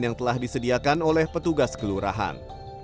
yang telah disediakan oleh petugas kelurahan